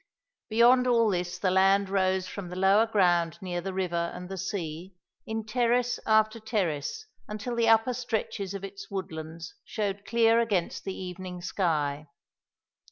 Beyond all this the land rose from the lower ground near the river and the sea, in terrace after terrace, until the upper stretches of its woodlands showed clear against the evening sky.